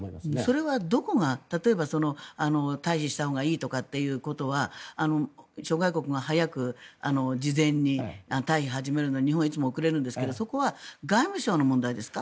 それはどこが例えば退避したほうがいいということは諸外国が早く事前に退避を始めるのに日本はいつも遅れるんですがそこは外務省の問題ですか？